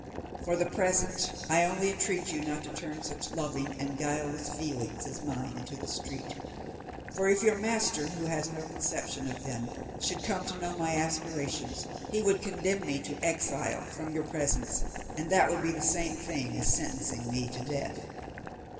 For the present, I only entreat you not to turn such loving and guileless feelings as mine into the street; for if your master, who has no conception of them, should come to know my aspirations, he would condemn me to exile from your presence, and that would be the same thing as sentencing me to death.